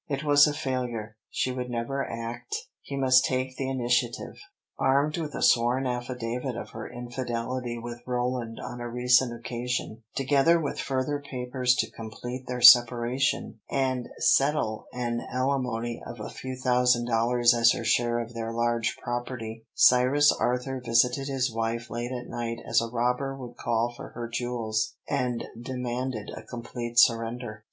It was a failure; she would never act, he must take the initiative. Armed with a sworn affidavit of her infidelity with Roland on a recent occasion, together with further papers to complete their separation and settle an alimony of a few thousand dollars as her share of their large property, Cyrus Arthur visited his wife late at night as a robber would call for her jewels, and demanded a complete surrender.